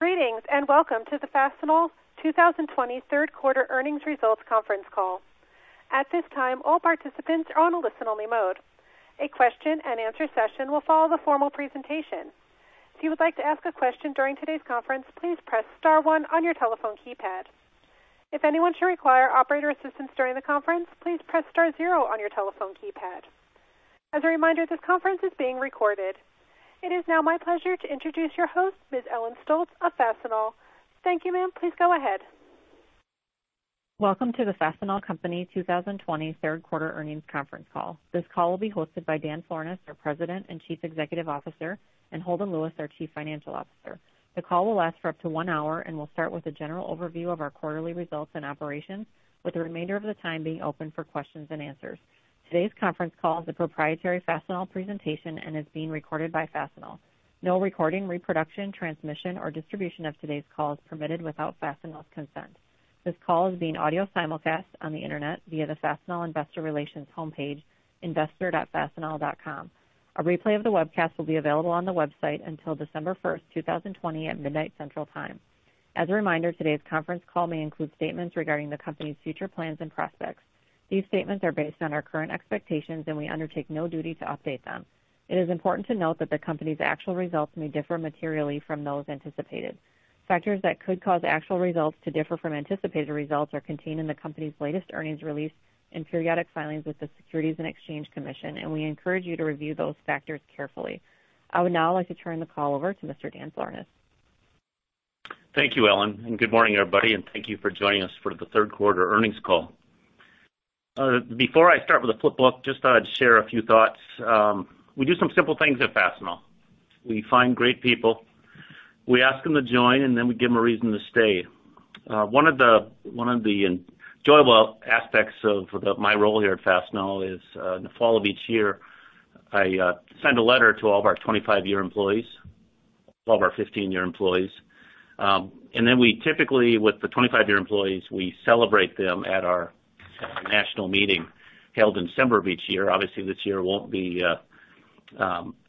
Greetings, welcome to the Fastenal 2020 third quarter earnings results conference call. At this time, all participants are on a listen-only mode. A question and answer session will follow the formal presentation. If you would like to ask a question during today's conference, please press star one on your telephone keypad. If anyone should require operator assistance during the conference, please press star zero on your telephone keypad. As a reminder, this conference is being recorded. It is now my pleasure to introduce your host, Ms. Ellen Stolts of Fastenal. Thank you, ma'am. Please go ahead. Welcome to the Fastenal Company 2020 third quarter earnings conference call. This call will be hosted by Dan Florness, our President and Chief Executive Officer, and Holden Lewis, our Chief Financial Officer. The call will last for up to one hour and will start with a general overview of our quarterly results and operations, with the remainder of the time being open for questions and answers. Today's conference call is a proprietary Fastenal presentation and is being recorded by Fastenal. No recording, reproduction, transmission, or distribution of today's call is permitted without Fastenal's consent. This call is being audio simulcast on the internet via the Fastenal investor relations homepage, investor.fastenal.com. A replay of the webcast will be available on the website until December 1st, 2020, at midnight, Central Time. As a reminder, today's conference call may include statements regarding the company's future plans and prospects. These statements are based on our current expectations, and we undertake no duty to update them. It is important to note that the company's actual results may differ materially from those anticipated. Factors that could cause actual results to differ from anticipated results are contained in the company's latest earnings release and periodic filings with the Securities and Exchange Commission, and we encourage you to review those factors carefully. I would now like to turn the call over to Mr. Dan Florness. Thank you, Ellen, and good morning, everybody, and thank you for joining us for the third quarter earnings call. Before I start with the flip book, just thought I'd share a few thoughts. We do some simple things at Fastenal. We find great people. We ask them to join, and then we give them a reason to stay. One of the enjoyable aspects of my role here at Fastenal is, in the fall of each year, I send a letter to all of our 25-year employees, all of our 15-year employees. We typically, with the 25-year employees, we celebrate them at our national meeting held in December of each year. Obviously, this year won't be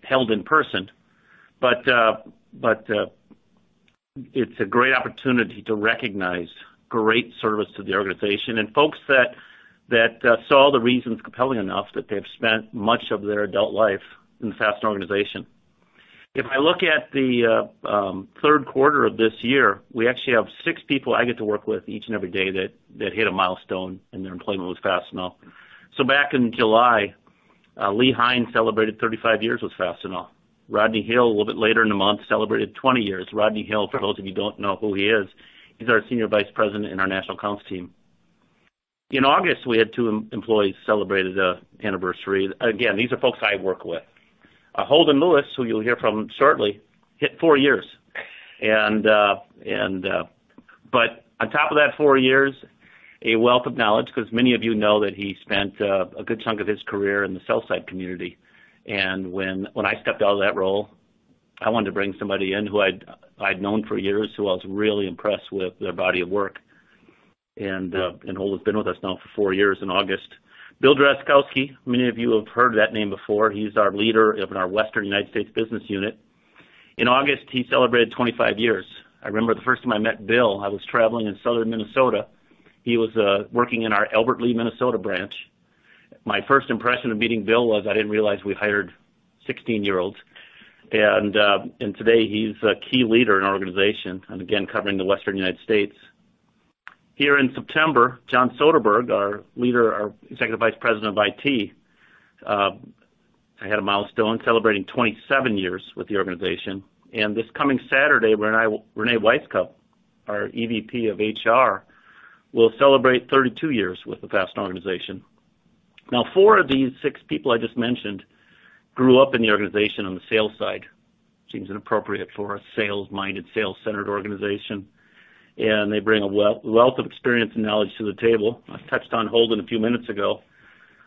held in person. It's a great opportunity to recognize great service to the organization and folks that saw the reasons compelling enough that they've spent much of their adult life in the Fastenal organization. If I look at the third quarter of this year, we actually have six people I get to work with each and every day that hit a milestone in their employment with Fastenal. Back in July, Lee Hein celebrated 35 years with Fastenal. Rodney Hill, a little bit later in the month, celebrated 20 years. Rodney Hill, for those of you don't know who he is, he's our Senior Vice President in our National Accounts team. In August, we had two employees celebrate an anniversary. Again, these are folks I work with. Holden Lewis, who you'll hear from shortly, hit four years. On top of that four years, a wealth of knowledge, because many of you know that he spent a good chunk of his career in the sell side community. When I stepped out of that role, I wanted to bring somebody in who I'd known for years, who I was really impressed with their body of work. Holden's been with us now for four years in August. Bill Drazkowski, many of you have heard that name before. He's our leader of our Western United States business unit. In August, he celebrated 25 years. I remember the first time I met Bill, I was traveling in Southern Minnesota. He was working in our Albert Lea, Minnesota branch. My first impression of meeting Bill was I didn't realize we hired 16-year-olds. Today, he's a key leader in our organization, and again, covering the Western United States. Here in September, John Soderberg, our Executive Vice President of IT, had a milestone celebrating 27 years with the organization. This coming Saturday, Reyne Wisecup, our EVP of HR, will celebrate 32 years with the Fastenal organization. Now, four of these six people I just mentioned grew up in the organization on the sales side. Seems inappropriate for a sales-minded, sales-centered organization. They bring a wealth of experience and knowledge to the table. I touched on Holden a few minutes ago.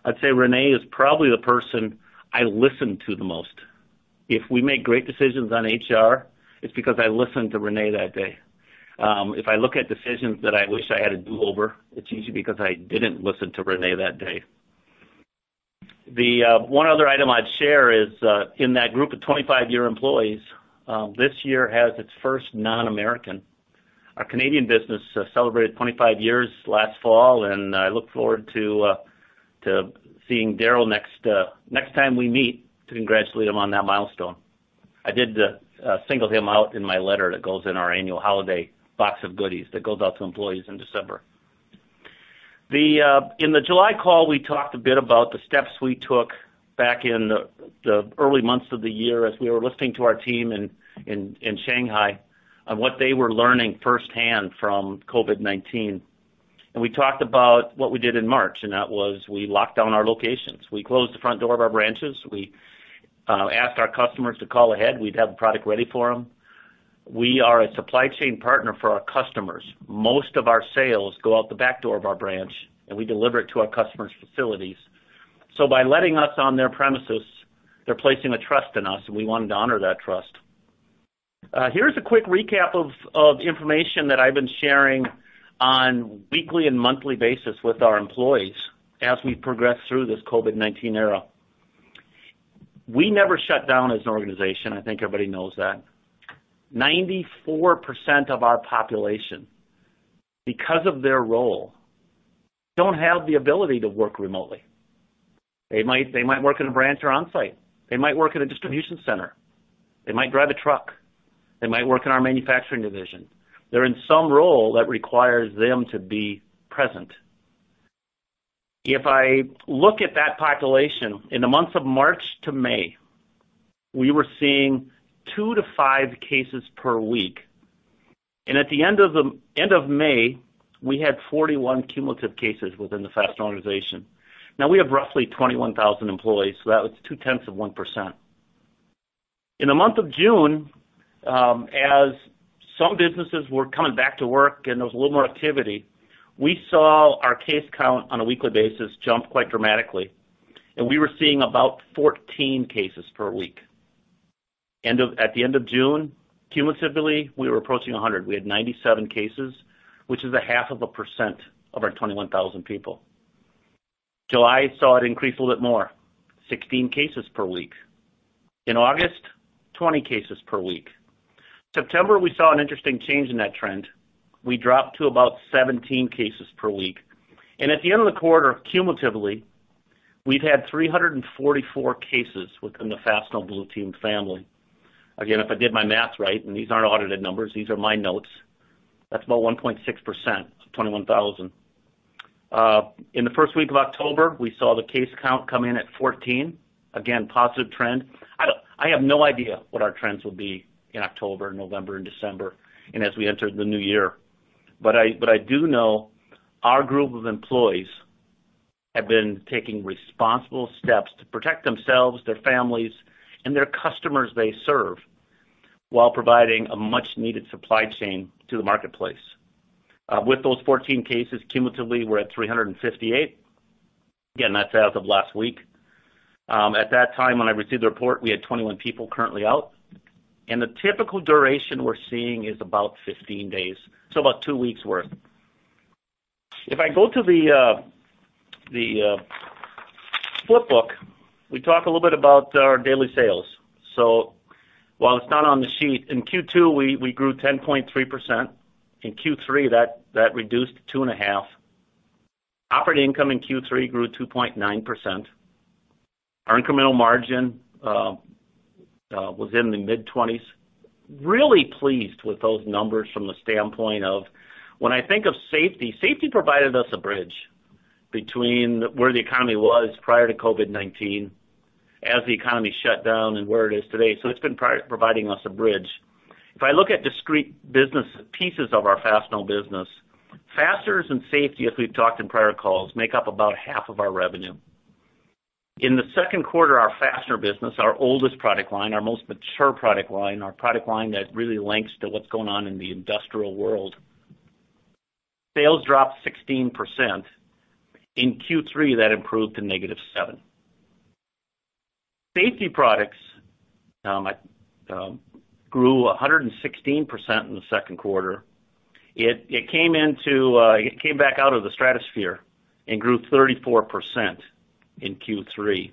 I'd say Reyne is probably the person I listen to the most. If we make great decisions on HR, it's because I listened to Reyne that day. If I look at decisions that I wish I had a do-over, it's usually because I didn't listen to Reyne that day. The one other item I'd share is, in that group of 25-year employees, this year has its first non-American. Our Canadian business celebrated 25 years last fall, and I look forward to seeing Daryl next time we meet to congratulate him on that milestone. I did single him out in my letter that goes in our annual holiday box of goodies that goes out to employees in December. In the July call, we talked a bit about the steps we took back in the early months of the year as we were listening to our team in Shanghai on what they were learning firsthand from COVID-19. We talked about what we did in March, and that was we locked down our locations. We closed the front door of our branches. We asked our customers to call ahead. We'd have the product ready for them. We are a supply chain partner for our customers. Most of our sales go out the back door of our branch, and we deliver it to our customers' facilities. By letting us on their premises, they're placing a trust in us, and we wanted to honor that trust. Here's a quick recap of information that I've been sharing on a weekly and monthly basis with our employees as we progress through this COVID-19 era. We never shut down as an organization. I think everybody knows that. 94% of our population, because of their role, don't have the ability to work remotely. They might work in a branch or on site. They might work in a distribution center. They might drive a truck. They might work in our manufacturing division. They're in some role that requires them to be present. If I look at that population, in the months of March to May, we were seeing two to five cases per week. At the end of May, we had 41 cumulative cases within the Fastenal organization. Now, we have roughly 21,000 employees, so that was two-tenths of 1%. In the month of June, as some businesses were coming back to work and there was a little more activity, we saw our case count on a weekly basis jump quite dramatically, and we were seeing about 14 cases per week. At the end of June, cumulatively, we were approaching 100. We had 97 cases, which is a half of a percent of our 21,000 people. July saw it increase a little bit more, 16 cases per week. In August, 20 cases per week. September, we saw an interesting change in that trend. We dropped to about 17 cases per week. At the end of the quarter, cumulatively, we've had 344 cases within the Fastenal Blue Team family. Again, if I did my math right, and these aren't audited numbers, these are my notes, that's about 1.6% of 21,000. In the first week of October, we saw the case count come in at 14. Again, positive trend. I have no idea what our trends will be in October, November, and December, and as we enter the new year. I do know our group of employees have been taking responsible steps to protect themselves, their families, and their customers they serve while providing a much-needed supply chain to the marketplace. With those 14 cases, cumulatively, we're at 358. Again, that's as of last week. At that time, when I received the report, we had 21 people currently out, and the typical duration we're seeing is about 15 days, so about two weeks' worth. If I go to the flip book, we talk a little bit about our daily sales. While it's not on the sheet, in Q2, we grew 10.3%. In Q3, that reduced to 2.5%. Operating income in Q3 grew 2.9%. Our incremental margin was in the mid-20s. Really pleased with those numbers from the standpoint of when I think of safety provided us a bridge between where the economy was prior to COVID-19, as the economy shut down, and where it is today. It's been providing us a bridge. If I look at discrete business pieces of our Fastenal business, fasteners and safety, as we've talked in prior calls, make up about half of our revenue. In the second quarter, our fastener business, our oldest product line, our most mature product line, our product line that really links to what's going on in the industrial world, sales dropped 16%. In Q3, that improved to negative seven. Safety products grew 116% in the second quarter. It came back out of the stratosphere and grew 34% in Q3.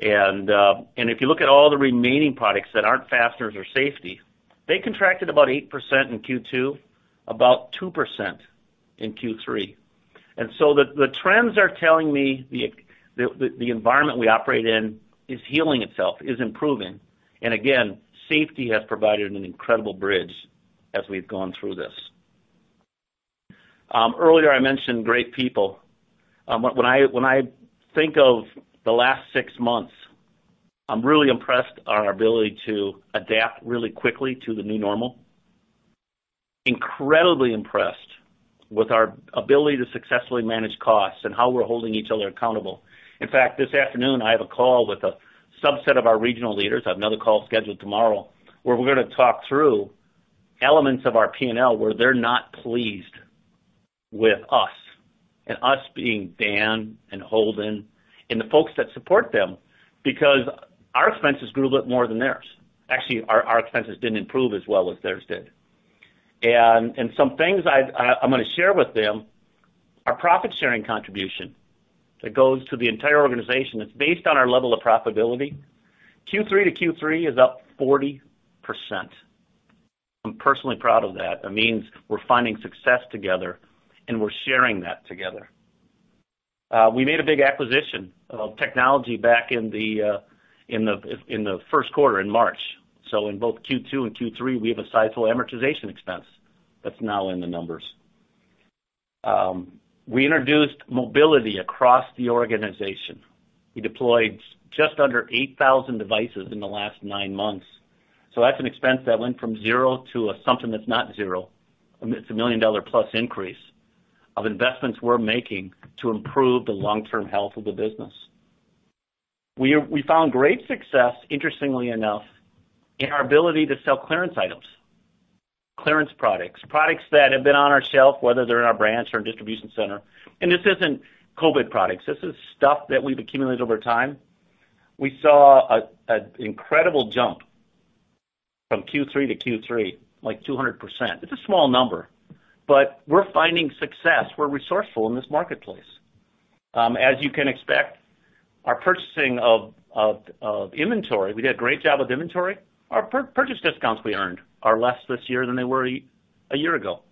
If you look at all the remaining products that aren't fasteners or safety, they contracted about 8% in Q2, about 2% in Q3. The trends are telling me the environment we operate in is healing itself, is improving. Again, safety has provided an incredible bridge as we've gone through this. Earlier, I mentioned great people. When I think of the last six months, I'm really impressed at our ability to adapt really quickly to the new normal. Incredibly impressed with our ability to successfully manage costs and how we're holding each other accountable. In fact, this afternoon, I have a call with a subset of our regional leaders. I have another call scheduled tomorrow where we're going to talk through elements of our P&L where they're not pleased with us, and us being Dan and Holden and the folks that support them. Our expenses grew a bit more than theirs. Actually, our expenses didn't improve as well as theirs did. Some things I'm going to share with them are profit-sharing contribution that goes to the entire organization that's based on our level of profitability. Q3-Q3 is up 40%. I'm personally proud of that. That means we're finding success together and we're sharing that together. We made a big acquisition of technology back in the first quarter in March. In both Q2 and Q3, we have a sizable amortization expense that's now in the numbers. We introduced mobility across the organization. We deployed just under 8,000 devices in the last nine months. That's an expense that went from zero to something that's not zero. It's a $1 million-plus increase of investments we're making to improve the long-term health of the business. We found great success, interestingly enough, in our ability to sell clearance items, clearance products that have been on our shelf, whether they're in our branch or distribution center. This isn't COVID products. This is stuff that we've accumulated over time. We saw an incredible jump from Q3-Q3, like 200%. It's a small number, but we're finding success. We're resourceful in this marketplace. As you can expect, our purchasing of inventory, we did a great job with inventory. Our purchase discounts we earned are less this year than they were a year ago.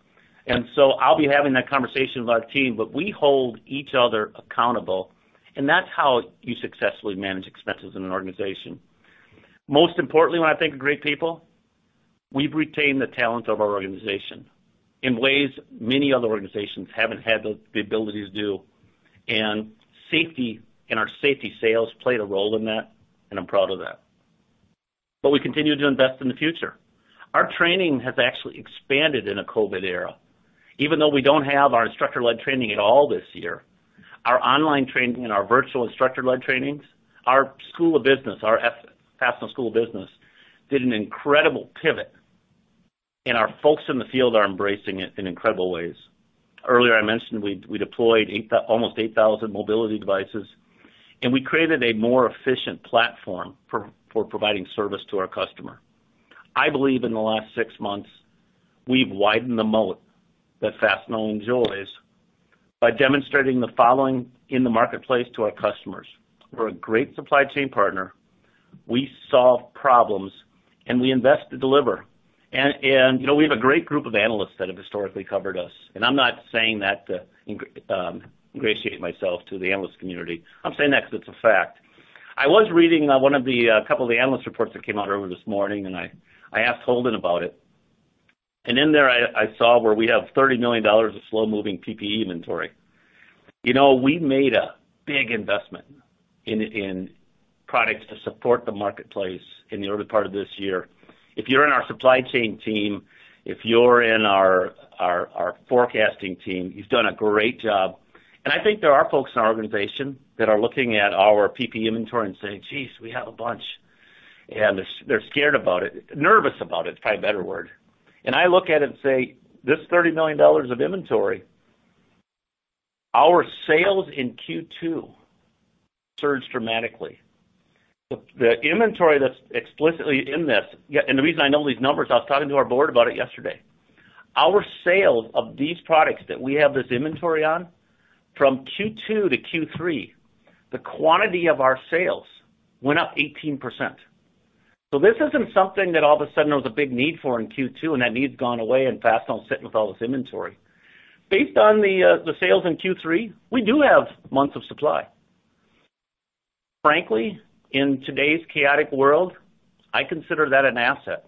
I'll be having that conversation with our team, but we hold each other accountable, and that's how you successfully manage expenses in an organization. Most importantly, when I think of great people, we've retained the talent of our organization in ways many other organizations haven't had the ability to do, and safety and our safety sales played a role in that, and I'm proud of that. We continue to invest in the future. Our training has actually expanded in a COVID era. Even though we don't have our instructor-led training at all this year, our online training and our virtual instructor-led trainings, our School of Business, our Fastenal School of Business, did an incredible pivot, and our folks in the field are embracing it in incredible ways. Earlier, I mentioned we deployed almost 8,000 mobility devices. We created a more efficient platform for providing service to our customer. I believe in the last 6 months, we've widened the moat that Fastenal enjoys by demonstrating the following in the marketplace to our customers. We're a great supply chain partner. We solve problems. We invest to deliver. We have a great group of analysts that have historically covered us. I'm not saying that to ingratiate myself to the analyst community. I'm saying that because it's a fact. I was reading one of the couple of the analyst reports that came out earlier this morning. I asked Holden about it. In there I saw where we have $30 million of slow-moving PPE inventory. We made a big investment in products to support the marketplace in the early part of this year. If you're in our supply chain team, if you're in our forecasting team, you've done a great job. I think there are folks in our organization that are looking at our PPE inventory and saying, "Geez, we have a bunch." They're scared about it. Nervous about it, is probably a better word. I look at it and say, "This $30 million of inventory, our sales in Q2 surged dramatically." The reason I know these numbers, I was talking to our board about it yesterday. Our sales of these products that we have this inventory on from Q2-Q3, the quantity of our sales went up 18%. This isn't something that all of a sudden there was a big need for in Q2, and that need's gone away and Fastenal is sitting with all this inventory. Based on the sales in Q3, we do have months of supply. Frankly, in today's chaotic world, I consider that an asset,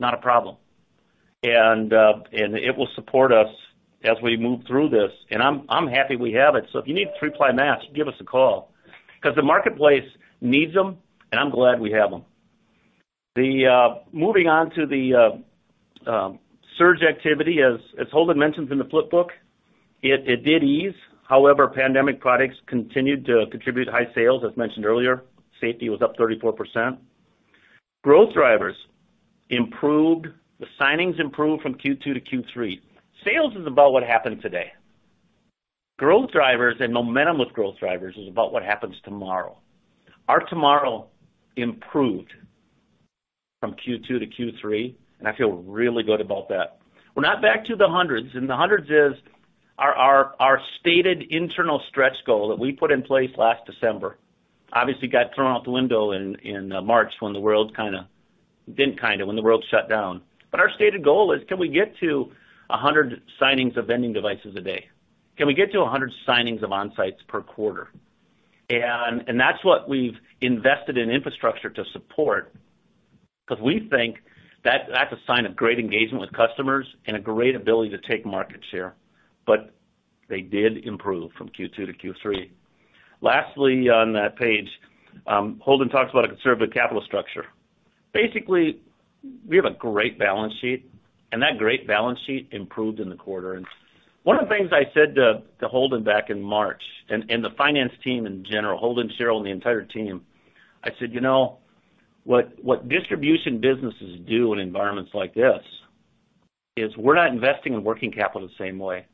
not a problem. It will support us as we move through this. I'm happy we have it. If you need 3-ply masks, give us a call because the marketplace needs them, and I'm glad we have them. Moving on to the surge activity, as Holden mentions in the flip book, it did ease. However, pandemic products continued to contribute high sales. As mentioned earlier, safety was up 34%. Growth drivers improved. The signings improved from Q2-Q3. Sales is about what happened today. Growth drivers and momentum with growth drivers is about what happens tomorrow. Our tomorrow improved from Q2-Q3, and I feel really good about that. We're not back to the hundreds, and the hundreds is our stated internal stretch goal that we put in place last December. Obviously got thrown out the window in March when the world shut down. Our stated goal is can we get to 100 signings of vending devices a day? Can we get to 100 signings of onsites per quarter? That's what we've invested in infrastructure to support because we think that's a sign of great engagement with customers and a great ability to take market share. But they did improve from Q2-Q3. Lastly, on that page, Holden talks about a conservative capital structure. Basically, we have a great balance sheet, and that great balance sheet improved in the quarter. One of the things I said to Holden back in March, and the finance team in general, Holden, Cheryl, and the entire team, I said, "You know what distribution businesses do in environments like this is we're not investing in working capital the same way,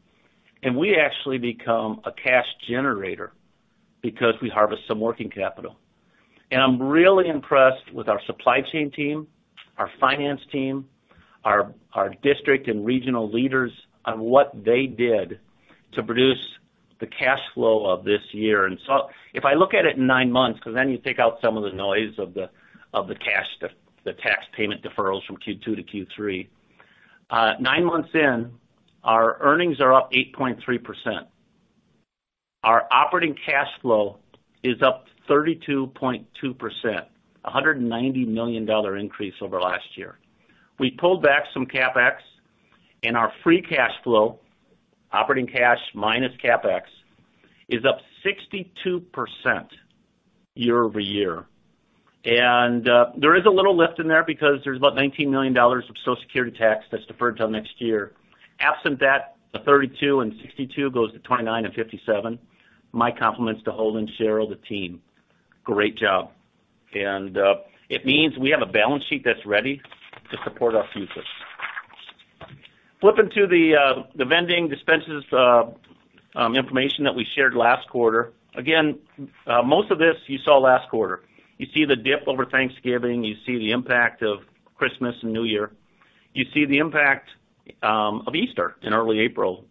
and we actually become a cash generator because we harvest some working capital." I'm really impressed with our supply chain team, our finance team, our district and regional leaders on what they did to produce the cash flow of this year. If I look at it in nine months, because then you take out some of the noise of the tax payment deferrals from Q2-Q3. Nine months in, our earnings are up 8.3%. Our operating cash flow is up 32.2%, $190 million increase over last year. We pulled back some CapEx. Our free cash flow, operating cash minus CapEx, is up 62% year-over-year. There is a little lift in there because there's about $19 million of Social Security tax that's deferred till next year. Absent that, the 32% and 62% goes to 29% and 57%. My compliments to Holden, Cheryl, the team. Great job. It means we have a balance sheet that's ready to support our future. Flipping to the vending dispenses information that we shared last quarter. Again, most of this you saw last quarter. You see the dip over Thanksgiving. You see the impact of Christmas and New Year. You see the impact of Easter in early April.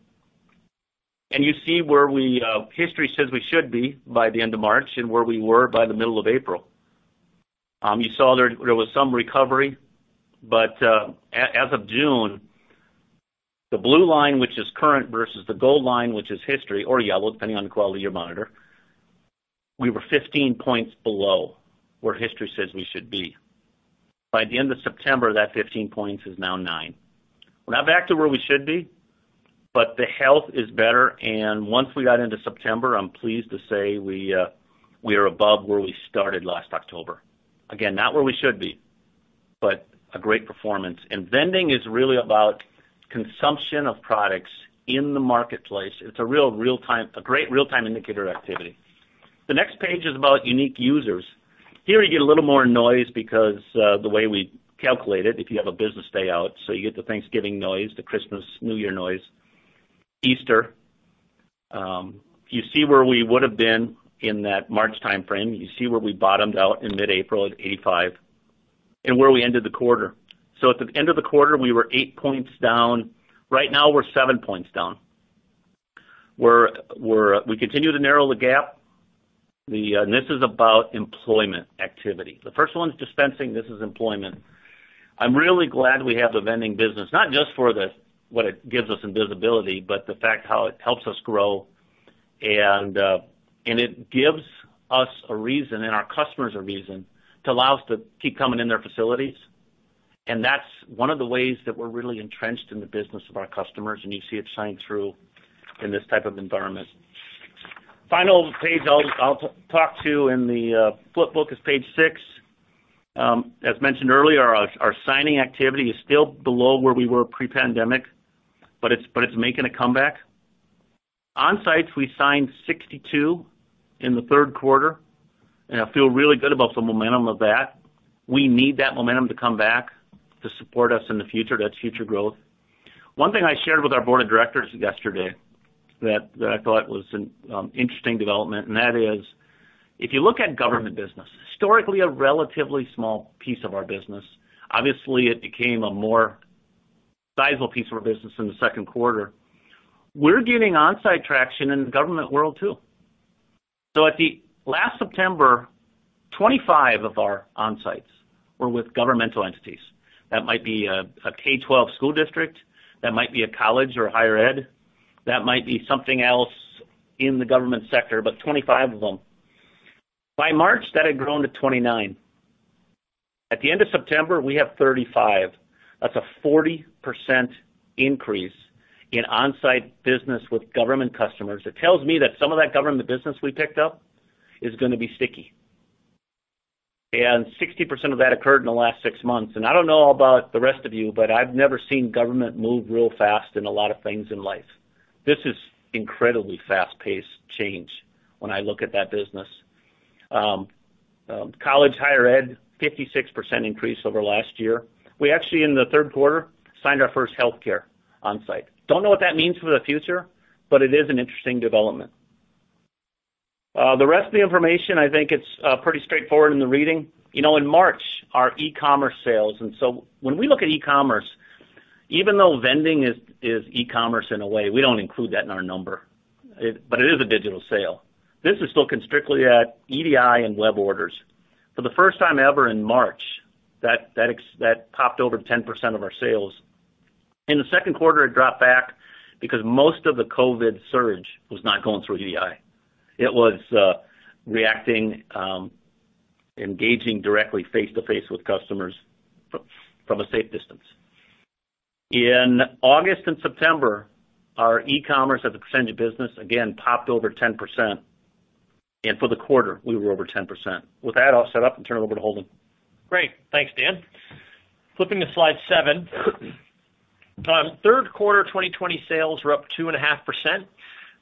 You see where history says we should be by the end of March and where we were by the middle of April. You saw there was some recovery, but as of June, the blue line, which is current, versus the gold line, which is history, or yellow, depending on the quality of your monitor. We were 15 points below where history says we should be. By the end of September, that 15 points is now nine. We're not back to where we should be, but the health is better. Once we got into September, I'm pleased to say we are above where we started last October. Again, not where we should be, but a great performance. Vending is really about consumption of products in the marketplace. It's a great real-time indicator of activity. The next page is about unique users. Here you get a little more noise because of the way we calculate it, if you have a business day out. You get the Thanksgiving noise, the Christmas, New Year noise, Easter. You see where we would've been in that March timeframe. You see where we bottomed out in mid-April at 85, and where we ended the quarter. At the end of the quarter, we were eight points down. Right now, we're seven points down. We continue to narrow the gap. This is about employment activity. The first one is dispensing. This is employment. I'm really glad we have the vending business, not just for what it gives us in visibility, but the fact how it helps us grow. It gives us a reason, and our customers a reason, to allow us to keep coming in their facilities. That's one of the ways that we're really entrenched in the business of our customers, and you see it shine through in this type of environment. Final page I'll talk to in the flip book is page six. As mentioned earlier, our signing activity is still below where we were pre-pandemic, but it's making a comeback. On-sites, we signed 62 in the third quarter. I feel really good about the momentum of that. We need that momentum to come back to support us in the future. That's future growth. One thing I shared with our board of directors yesterday that I thought was an interesting development, and that is, if you look at government business, historically a relatively small piece of our business. Obviously, it became a more sizable piece of our business in the second quarter. We're gaining on-site traction in the government world, too. At the last September, 25 of our on-sites were with governmental entities. That might be a K12 school district. That might be a college or higher ed. That might be something else in the government sector, 25 of them. By March, that had grown to 29. At the end of September, we have 35. That's a 40% increase in on-site business with government customers. It tells me that some of that government business we picked up is going to be sticky. 60% of that occurred in the last six months. I don't know about the rest of you, but I've never seen government move real fast in a lot of things in life. This is incredibly fast-paced change when I look at that business. College higher ed, 56% increase over last year. We actually, in the third quarter, signed our first healthcare on-site. Don't know what that means for the future, but it is an interesting development. The rest of the information, I think it's pretty straightforward in the reading. In March, our e-commerce sales, when we look at e-commerce, even though vending is e-commerce in a way, we don't include that in our number. It is a digital sale. This is looking strictly at EDI and web orders. For the first time ever in March, that topped over 10% of our sales. In the second quarter, it dropped back because most of the COVID surge was not going through EDI. It was reacting, engaging directly face-to-face with customers from a safe distance. In August and September, our e-commerce as a percentage of business, again, topped over 10%. For the quarter, we were over 10%. With that, I'll set up and turn it over to Holden. Great. Thanks, Dan. Flipping to slide seven. Third quarter 2020 sales were up 2.5%.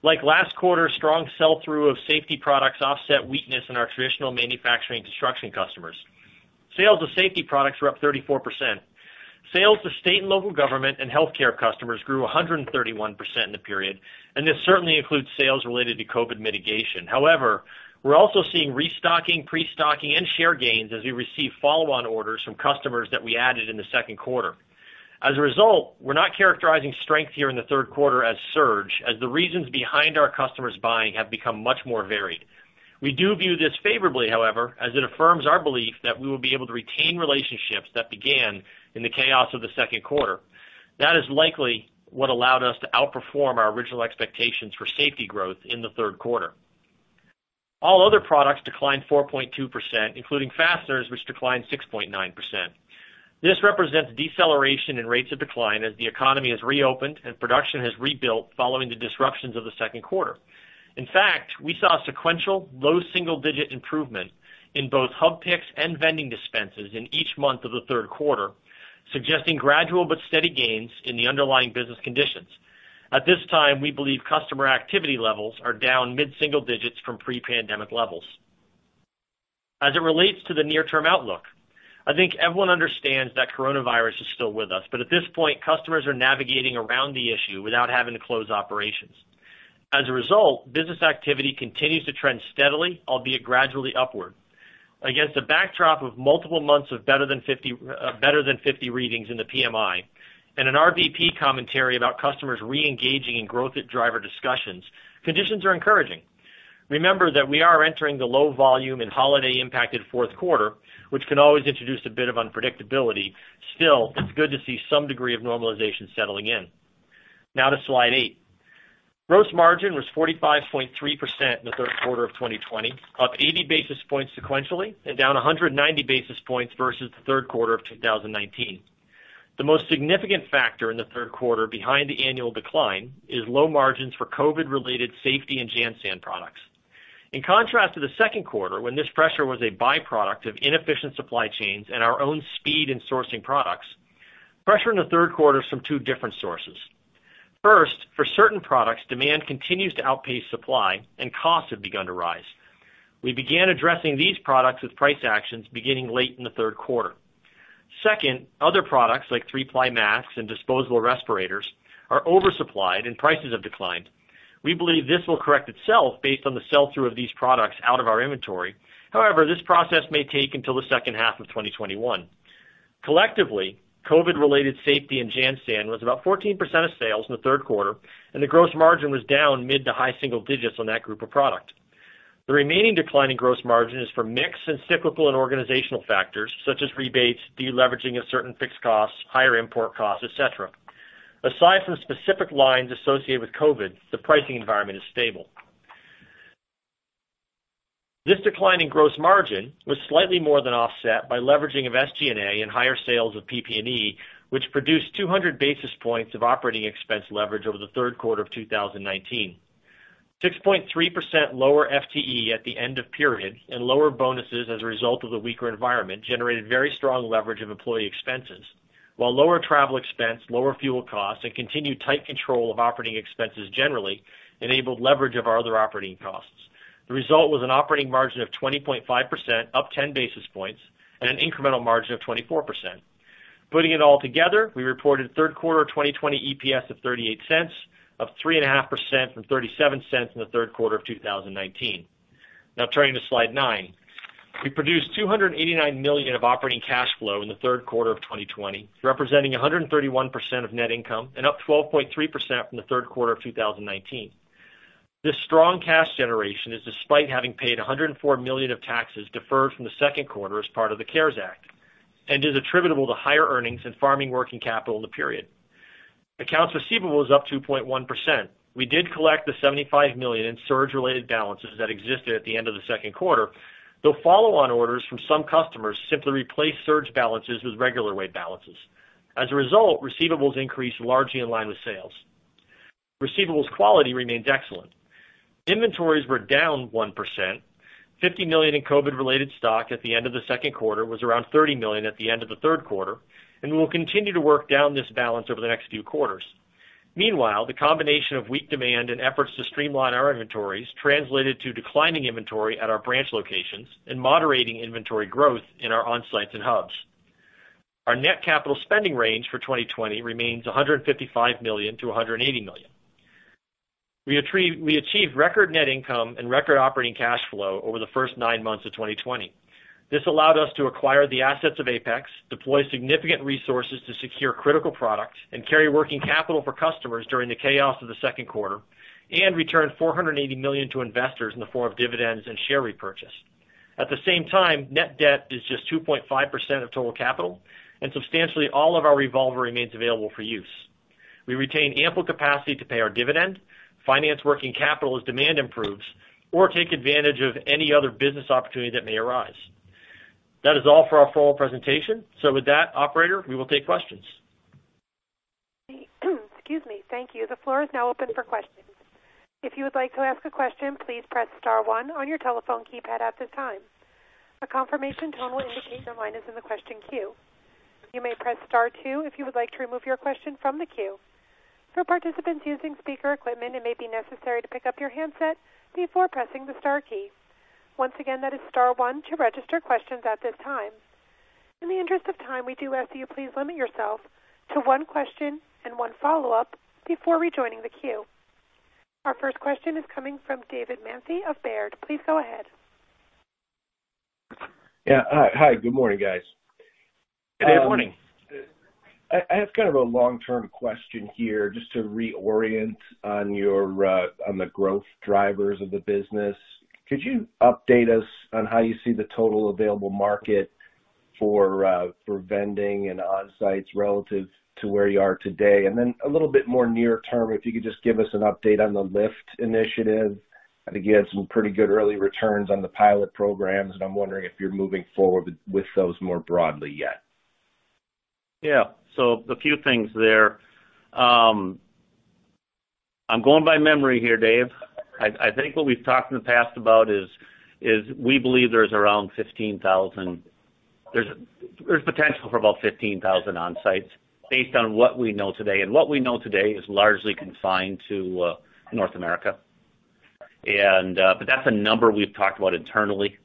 Like last quarter, strong sell-through of safety products offset weakness in our traditional manufacturing and construction customers. Sales of safety products were up 34%. Sales to state and local government and healthcare customers grew 131% in the period, and this certainly includes sales related to COVID mitigation. We're also seeing restocking, pre-stocking, and share gains as we receive follow-on orders from customers that we added in the second quarter. We're not characterizing strength here in the third quarter as surge, as the reasons behind our customers buying have become much more varied. We do view this favorably, however, as it affirms our belief that we will be able to retain relationships that began in the chaos of the second quarter. That is likely what allowed us to outperform our original expectations for safety growth in the third quarter. All other products declined 4.2%, including fasteners, which declined 6.9%. This represents deceleration in rates of decline as the economy has reopened and production has rebuilt following the disruptions of the second quarter. In fact, we saw sequential low single-digit improvement in both hub picks and vending dispenses in each month of the third quarter, suggesting gradual but steady gains in the underlying business conditions. At this time, we believe customer activity levels are down mid-single digits from pre-pandemic levels. As it relates to the near-term outlook, I think everyone understands that coronavirus is still with us, but at this point, customers are navigating around the issue without having to close operations. As a result, business activity continues to trend steadily, albeit gradually upward. Against a backdrop of multiple months of better than 50 readings in the PMI and an RVP commentary about customers re-engaging in growth driver discussions, conditions are encouraging. Remember that we are entering the low volume and holiday impacted fourth quarter, which can always introduce a bit of unpredictability. Still, it's good to see some degree of normalization settling in. Now to slide eight. Gross margin was 45.3% in the third quarter of 2020, up 80 basis points sequentially and down 190 basis points versus the third quarter of 2019. The most significant factor in the third quarter behind the annual decline is low margins for COVID-related safety and JanSan products. In contrast to the second quarter, when this pressure was a byproduct of inefficient supply chains and our own speed in sourcing products, pressure in the third quarter is from two different sources. First, for certain products, demand continues to outpace supply and costs have begun to rise. We began addressing these products with price actions beginning late in the third quarter. Second, other products like 3-ply masks and disposable respirators are oversupplied and prices have declined. We believe this will correct itself based on the sell-through of these products out of our inventory. However, this process may take until the second half of 2021. Collectively, COVID-related safety and JanSan was about 14% of sales in the third quarter, and the gross margin was down mid to high single digits on that group of product. The remaining decline in gross margin is for mix and cyclical and organizational factors such as rebates, de-leveraging of certain fixed costs, higher import costs, et cetera. Aside from specific lines associated with COVID, the pricing environment is stable. This decline in gross margin was slightly more than offset by leveraging of SG&A and higher sales of PPE, which produced 200 basis points of operating expense leverage over the third quarter of 2019. 6.3% lower FTE at the end of period and lower bonuses as a result of the weaker environment generated very strong leverage of employee expenses, while lower travel expense, lower fuel costs, and continued tight control of operating expenses generally enabled leverage of our other operating costs. The result was an operating margin of 20.5%, up 10 basis points, and an incremental margin of 24%. Putting it all together, we reported third quarter 2020 EPS of $0.38, up 3.5% from $0.37 in the third quarter of 2019. Turning to slide nine. We produced $289 million of operating cash flow in the third quarter of 2020, representing 131% of net income and up 12.3% from the third quarter of 2019. This strong cash generation is despite having paid $104 million of taxes deferred from the second quarter as part of the CARES Act and is attributable to higher earnings and forming working capital in the period. Accounts receivable is up 2.1%. We did collect the $75 million in surge-related balances that existed at the end of the second quarter, though follow-on orders from some customers simply replaced surge balances with regular weight balances. As a result, receivables increased largely in line with sales. Receivables quality remained excellent. Inventories were down 1%. $50 million in COVID-related stock at the end of the second quarter was around $30 million at the end of the third quarter. We will continue to work down this balance over the next few quarters. Meanwhile, the combination of weak demand and efforts to streamline our inventories translated to declining inventory at our branch locations and moderating inventory growth in our onsites and hubs. Our net capital spending range for 2020 remains $155 million-$180 million. We achieved record net income and record operating cash flow over the first nine months of 2020. This allowed us to acquire the assets of Apex, deploy significant resources to secure critical products, and carry working capital for customers during the chaos of the second quarter, and return $480 million to investors in the form of dividends and share repurchase. At the same time, net debt is just 2.5% of total capital, and substantially all of our revolver remains available for use. We retain ample capacity to pay our dividend, finance working capital as demand improves, or take advantage of any other business opportunity that may arise. That is all for our formal presentation. With that, operator, we will take questions. In the interest of time, we do ask that you please limit yourself to one question and one follow-up before rejoining the queue. Our first question is coming from David Manthey of Baird. Please go ahead. Good morning. Good morning. I ask kind of a long-term question here just to reorient on the growth drivers of the business. Could you update us on how you see the total available market for vending and onsites relative to where you are today? Then a little bit more near term, if you could just give us an update on the LIFT initiative. I think you had some pretty good early returns on the pilot programs, and I'm wondering if you're moving forward with those more broadly yet. Yeah. A few things there. I'm going by memory here, Dave. I think what we've talked in the past about is we believe there's around 15,000 There's potential for about 15,000 on-sites based on what we know today. What we know today is largely confined to North America. That's a number we've talked about internally.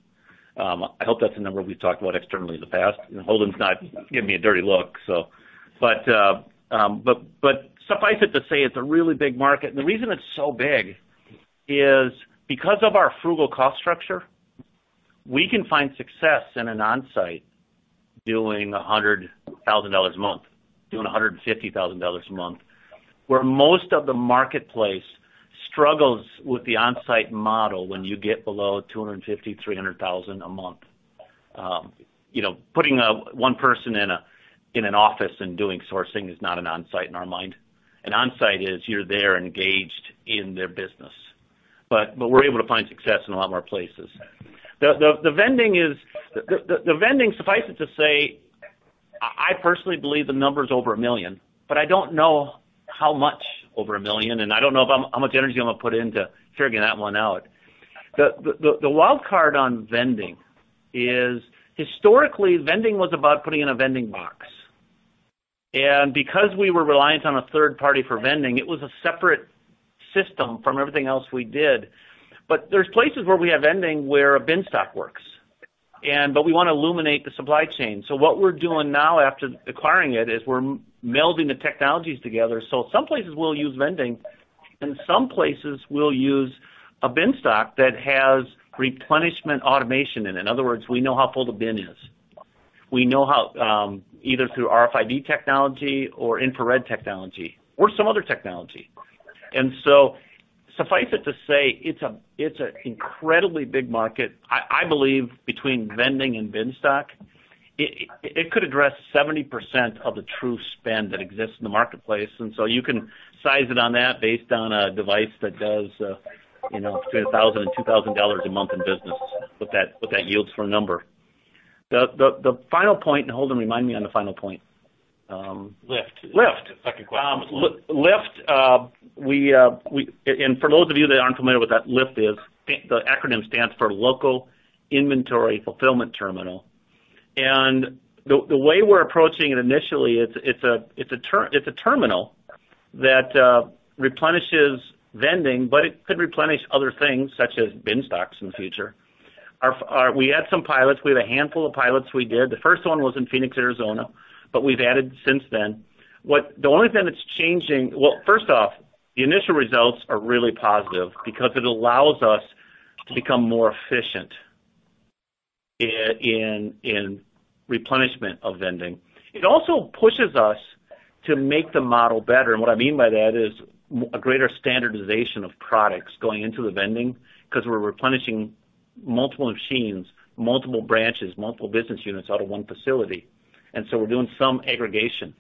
I hope that's a number we've talked about externally in the past. Holden's not giving me a dirty look. Suffice it to say, it's a really big market. The reason it's so big is because of our frugal cost structure, we can find success in an on-site doing $100,000 a month, doing $150,000 a month, where most of the marketplace struggles with the on-site model when you get below $250,000, $300,000 a month. Putting one person in an office and doing sourcing is not an on-site in our mind. An on-site is you're there engaged in their business. We're able to find success in a lot more places. The vending, suffice it to say, I personally believe the number's over $1 million, but I don't know how much over $1 million, and I don't know how much energy I'm going to put into figuring that one out. The wild card on vending is historically, vending was about putting in a vending box. Because we were reliant on a third party for vending, it was a separate system from everything else we did. There's places where we have vending where a bin stock works. We want to automate the supply chain. What we're doing now after acquiring it is we're melding the technologies together. Some places we'll use vending, and some places we'll use a bin stock that has replenishment automation in it. In other words, we know how full the bin is. We know how, either through RFID technology or infrared technology or some other technology. Suffice it to say, it's an incredibly big market. I believe between vending and bin stock, it could address 70% of the true spend that exists in the marketplace. You can size it on that based on a device that does between $1,000 and $2,000 a month in business. What that yields for a number. The final point, and Holden, remind me on the final point. LIFT. LIFT. Second question was LIFT. LIFT. For those of you that aren't familiar with what that LIFT is, the acronym stands for Local Inventory Fulfillment Terminal. The way we're approaching it initially, it's a terminal that replenishes vending, but it could replenish other things, such as bin stocks in the future. We had some pilots. We have a handful of pilots we did. The first one was in Phoenix, Arizona, but we've added since then. The only thing that's changing-- well, first off, the initial results are really positive because it allows us to become more efficient in replenishment of vending. It also pushes us to make the model better, and what I mean by that is a greater standardization of products going into the vending because we're replenishing multiple machines, multiple branches, multiple business units out of one facility, and so we're doing some aggregation.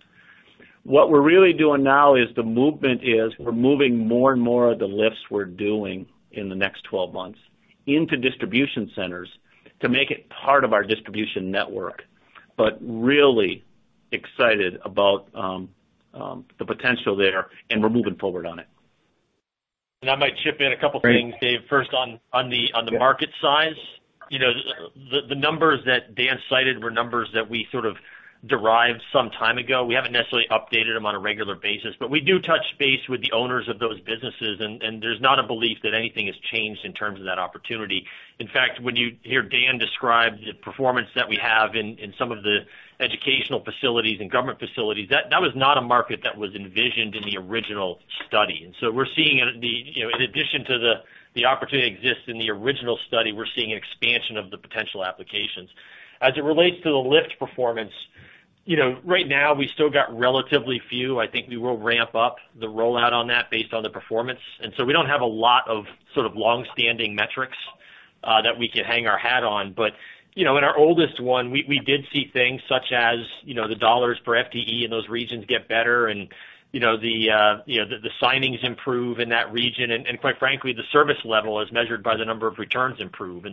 What we're really doing now is the movement is we're moving more and more of the LIFTs we're doing in the next 12 months into distribution centers to make it part of our distribution network. Really excited about the potential there, and we're moving forward on it. I might chip in a couple things, Dave. First, on the market size. The numbers that Dan cited were numbers that we sort of derived some time ago. We haven't necessarily updated them on a regular basis, but we do touch base with the owners of those businesses, and there's not a belief that anything has changed in terms of that opportunity. In fact, when you hear Dan describe the performance that we have in some of the educational facilities and government facilities, that was not a market that was envisioned in the original study. In addition to the opportunity that exists in the original study, we're seeing an expansion of the potential applications. As it relates to the LIFT performance, right now we still got relatively few. I think we will ramp up the rollout on that based on the performance. We don't have a lot of sort of longstanding metrics that we can hang our hat on. In our oldest one, we did see things such as the $ per FTE in those regions get better and the signings improve in that region, and quite frankly, the service level, as measured by the number of returns, improve.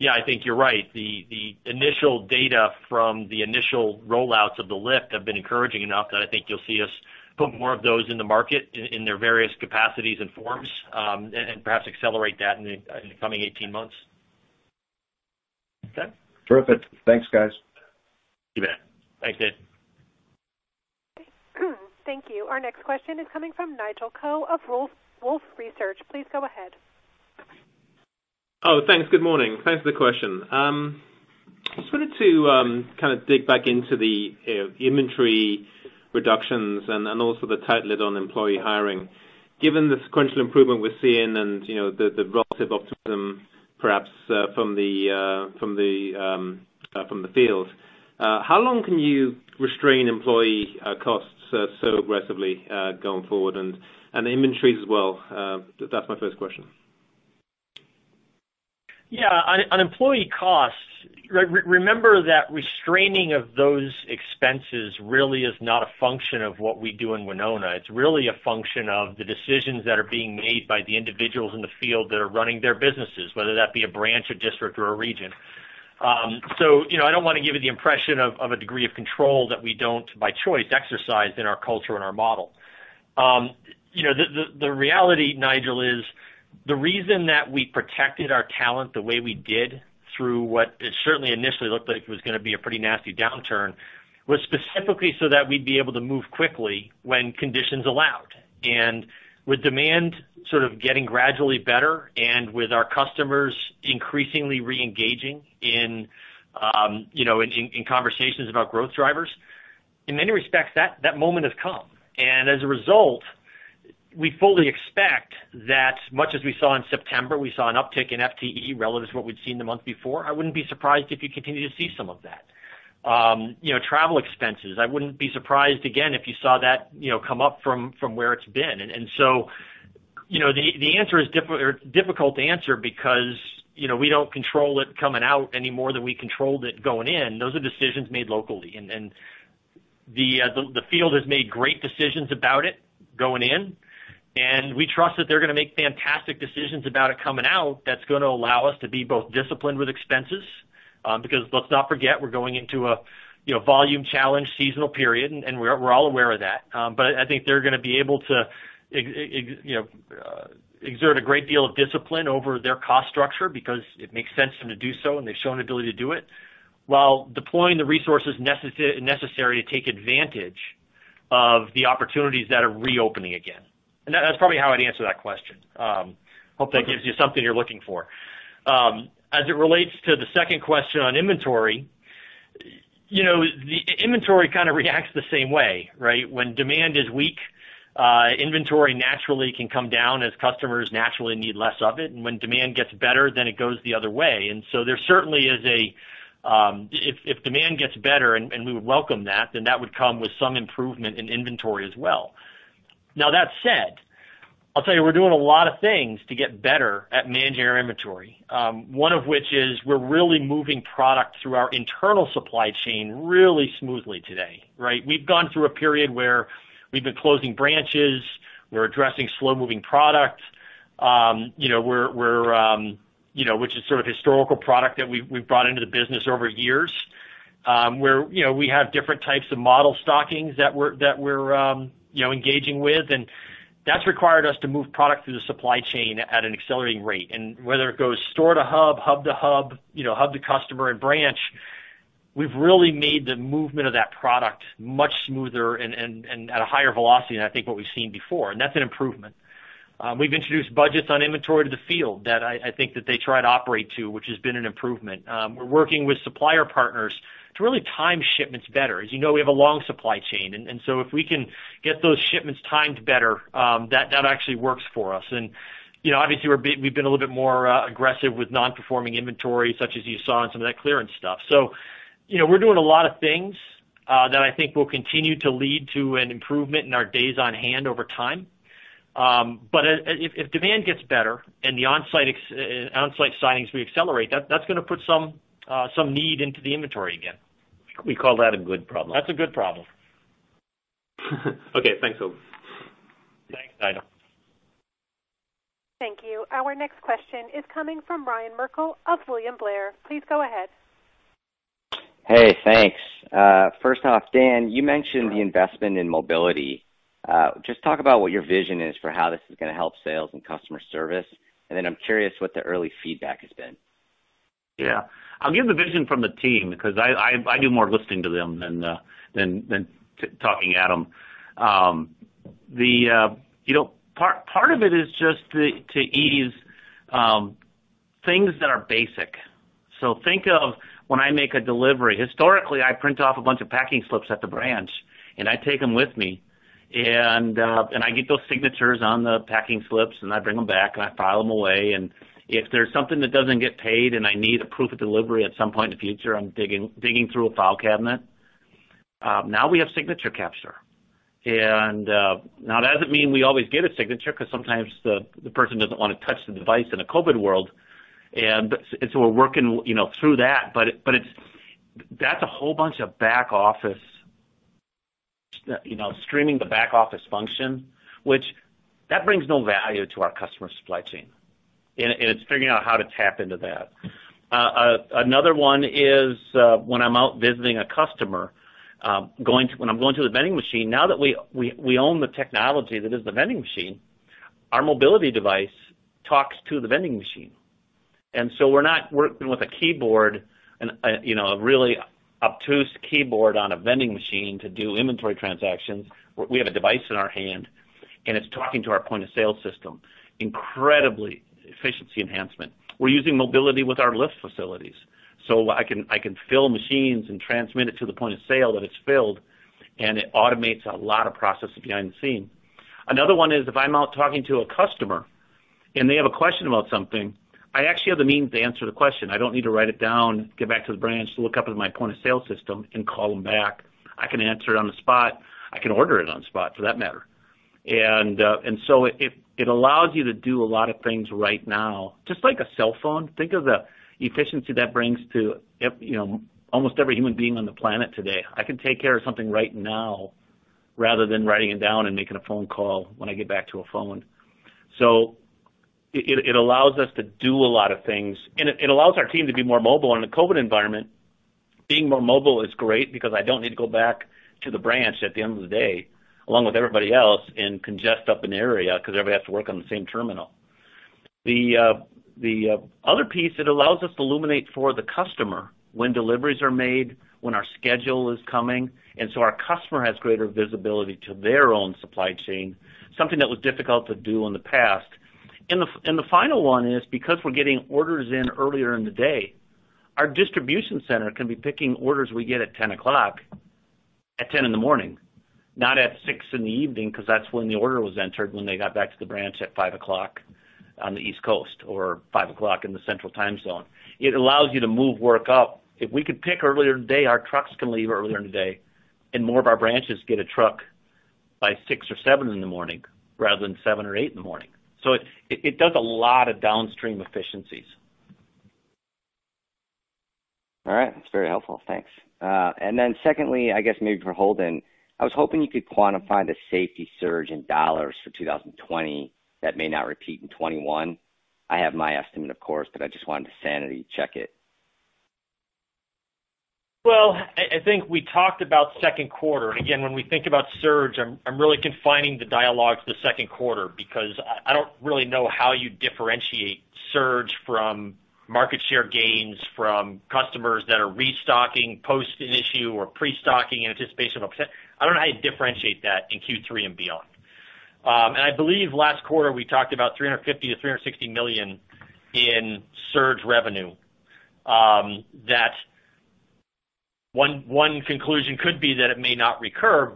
Yeah, I think you're right. The initial data from the initial rollouts of the LIFT have been encouraging enough that I think you'll see us put more of those in the market in their various capacities and forms, and perhaps accelerate that in the coming 18 months. Okay? Terrific. Thanks, guys. You bet. Thanks, Dave. Thank you. Our next question is coming from Nigel Coe of Wolfe Research. Please go ahead. Oh, thanks. Good morning. Thanks for the question. Wanted to kind of dig back into the inventory reductions and also the tight lid on employee hiring. Given the sequential improvement we're seeing and the relative optimism, perhaps, from the field, how long can you restrain employee costs so aggressively going forward and inventories as well? That's my first question. Yeah. On employee costs, remember that restraining of those expenses really is not a function of what we do in Winona. It's really a function of the decisions that are being made by the individuals in the field that are running their businesses, whether that be a branch, a district, or a region. I don't want to give you the impression of a degree of control that we don't, by choice, exercise in our culture and our model. The reality, Nigel, is. The reason that we protected our talent the way we did through what it certainly initially looked like it was going to be a pretty nasty downturn, was specifically so that we'd be able to move quickly when conditions allowed. With demand sort of getting gradually better and with our customers increasingly re-engaging in conversations about growth drivers, in many respects, that moment has come. As a result, we fully expect that much as we saw in September, we saw an uptick in FTE relative to what we'd seen the month before. I wouldn't be surprised if you continue to see some of that. Travel expenses, I wouldn't be surprised again if you saw that come up from where it's been. So, the answer is difficult to answer because we don't control it coming out any more than we controlled it going in. Those are decisions made locally, and the field has made great decisions about it going in, and we trust that they're going to make fantastic decisions about it coming out that's going to allow us to be both disciplined with expenses. Let's not forget, we're going into a volume challenge seasonal period, and we're all aware of that. I think they're going to be able to exert a great deal of discipline over their cost structure because it makes sense for them to do so, and they've shown an ability to do it, while deploying the resources necessary to take advantage of the opportunities that are reopening again. That's probably how I'd answer that question. Hope that gives you something you're looking for. As it relates to the second question on inventory. The inventory kind of reacts the same way, right? When demand is weak, inventory naturally can come down as customers naturally need less of it. When demand gets better, then it goes the other way. There certainly is a-- if demand gets better, and we would welcome that, then that would come with some improvement in inventory as well. Now, that said, I'll tell you we're doing a lot of things to get better at managing our inventory. One of which is we're really moving product through our internal supply chain really smoothly today, right? We've gone through a period where we've been closing branches. We're addressing slow-moving product which is sort of historical product that we've brought into the business over years. We have different types of model stockings that we're engaging with. That's required us to move product through the supply chain at an accelerating rate. Whether it goes store to hub to hub to customer and branch, we've really made the movement of that product much smoother and at a higher velocity than I think what we've seen before. That's an improvement. We've introduced budgets on inventory to the field that I think that they try to operate to, which has been an improvement. We're working with supplier partners to really time shipments better. As you know, we have a long supply chain, and so if we can get those shipments timed better, that actually works for us. Obviously, we've been a little bit more aggressive with non-performing inventory, such as you saw on some of that clearance stuff. We're doing a lot of things that I think will continue to lead to an improvement in our days on hand over time. If demand gets better and the onsite signings we accelerate, that's going to put some need into the inventory again. We call that a good problem. That's a good problem. Okay. Thanks a lot. Thanks, Nigel. Thank you. Our next question is coming from Ryan Merkel of William Blair. Please go ahead. Hey, thanks. First off, Dan, you mentioned the investment in mobility. Just talk about what your vision is for how this is going to help sales and customer service. I'm curious what the early feedback has been? Yeah. I'll give the vision from the team because I do more listening to them than talking at them. Part of it is just to ease things that are basic. Think of when I make a delivery. Historically, I print off a bunch of packing slips at the branch, I take them with me. I get those signatures on the packing slips, and I bring them back, and I file them away. If there's something that doesn't get paid and I need a proof of delivery at some point in the future, I'm digging through a file cabinet. Now we have signature capture. Now that doesn't mean we always get a signature because sometimes the person doesn't want to touch the device in a COVID world. We're working through that. That's a whole bunch of back-office, streaming the back-office function. That brings no value to our customer supply chain. It's figuring out how to tap into that. Another one is when I'm out visiting a customer, when I'm going to the vending machine. Now that we own the technology that is the vending machine, our mobility device talks to the vending machine. We're not working with a keyboard and a really obtuse keyboard on a vending machine to do inventory transactions. We have a device in our hand. It's talking to our point-of-sale system. Incredibly efficiency enhancement. We're using mobility with our LIFT facilities. I can fill machines and transmit it to the point of sale that it's filled. It automates a lot of processes behind the scene. Another one is, if I'm out talking to a customer and they have a question about something, I actually have the means to answer the question. I don't need to write it down, get back to the branch to look up in my point-of-sale system and call them back. I can answer it on the spot. I can order it on the spot for that matter. It allows you to do a lot of things right now, just like a cell phone. Think of the efficiency that brings to almost every human being on the planet today. I can take care of something right now rather than writing it down and making a phone call when I get back to a phone. It allows us to do a lot of things, and it allows our team to be more mobile in a COVID environment. Being more mobile is great because I don't need to go back to the branch at the end of the day along with everybody else and congest up an area because everybody has to work on the same terminal. The other piece, it allows us to illuminate for the customer when deliveries are made, when our schedule is coming, our customer has greater visibility to their own supply chain, something that was difficult to do in the past. The final one is, because we're getting orders in earlier in the day, our distribution center can be picking orders we get at 10:00 A.M., not at 6:00 P.M. because that's when the order was entered when they got back to the branch at 5:00 P.M. on the East Coast or 5:00 P.M. in the Central Time zone. It allows you to move work up. If we could pick earlier in the day, our trucks can leave earlier in the day, and more of our branches get a truck by 6:00 A.M. or 7:00 A.M. rather than 7:00 A.M. or 8:00 A.M. It does a lot of downstream efficiencies. All right. That's very helpful. Thanks. Secondly, I guess maybe for Holden, I was hoping you could quantify the safety surge in dollars for 2020 that may not repeat in 2021. I have my estimate, of course, but I just wanted to sanity check it. Well, I think we talked about second quarter. Again, when we think about surge, I'm really confining the dialogue to the second quarter because I don't really know how you differentiate surge from market share gains from customers that are restocking post an issue or pre-stocking in anticipation of I don't know how you differentiate that in Q3 and beyond. I believe last quarter, we talked about $350 million-$360 million in surge revenue. One conclusion could be that it may not recur.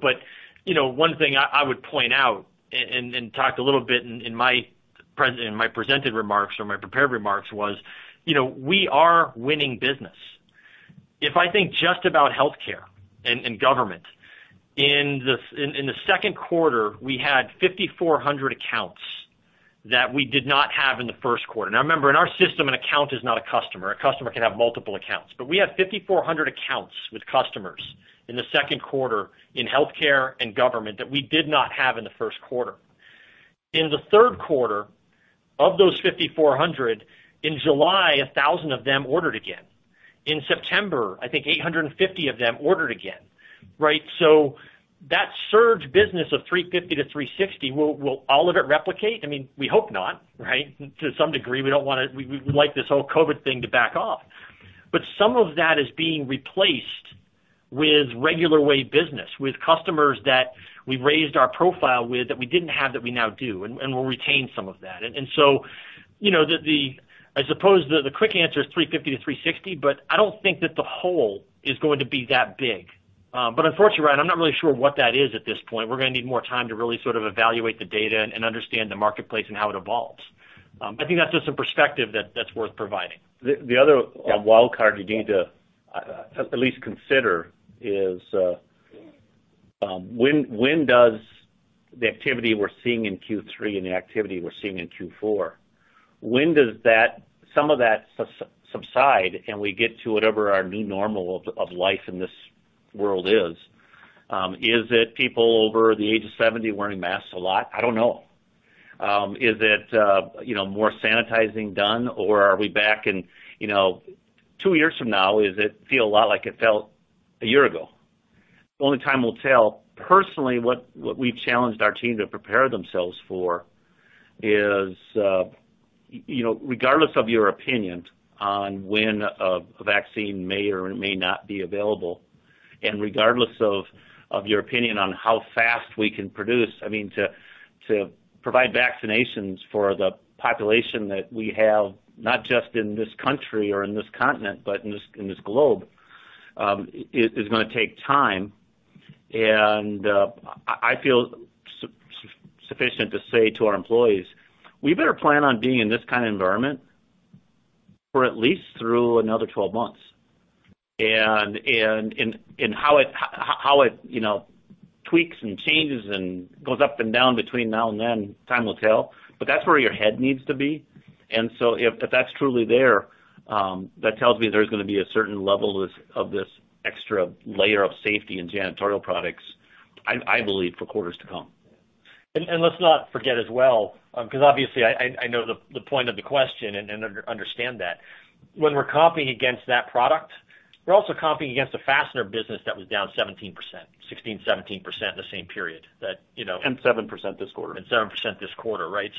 One thing I would point out and talk a little bit in my presented remarks or my prepared remarks was, we are winning business. If I think just about healthcare and government, in the second quarter, we had 5,400 accounts that we did not have in the first quarter. Now remember, in our system, an account is not a customer. A customer can have multiple accounts. We had 5,400 accounts with customers in the second quarter in healthcare and government that we did not have in the first quarter. In the third quarter, of those 5,400, in July, 1,000 of them ordered again. In September, I think 850 of them ordered again, right? That surge business of 350-360, will all of it replicate? We hope not, right? To some degree, we would like this whole COVID thing to back off. Some of that is being replaced with regular way business, with customers that we've raised our profile with that we didn't have that we now do, and we'll retain some of that. I suppose the quick answer is 350-360, but I don't think that the hole is going to be that big. Unfortunately, Ryan, I'm not really sure what that is at this point. We're going to need more time to really sort of evaluate the data and understand the marketplace and how it evolves. I think that's just some perspective that's worth providing. The other wild card you need to at least consider is, when does the activity we're seeing in Q3 and the activity we're seeing in Q4, when does some of that subside, and we get to whatever our new normal of life in this world is? Is it people over the age of 70 wearing masks a lot? I don't know. Is it more sanitizing done, or are we back in two years from now, does it feel a lot like it felt a year ago? Only time will tell. Personally, what we've challenged our team to prepare themselves for is, regardless of your opinion on when a vaccine may or may not be available, and regardless of your opinion on how fast we can produce, to provide vaccinations for the population that we have, not just in this country or in this continent, but in this globe is going to take time. I feel sufficient to say to our employees, we better plan on being in this kind of environment for at least through another 12 months. How it tweaks and changes and goes up and down between now and then, time will tell. That's where your head needs to be. If that's truly there, that tells me there's going to be a certain level of this extra layer of safety and janitorial products, I believe, for quarters to come. Let's not forget as well, because obviously, I know the point of the question and understand that. When we're comping against that product, we're also comping against a fastener business that was down 17%, 16, 17% the same period. 7% this quarter. 7% this quarter, right?